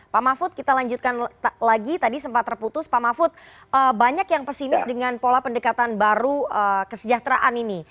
pak mahfud kita lanjutkan lagi tadi sempat terputus pak mahfud banyak yang pesimis dengan pola pendekatan baru kesejahteraan ini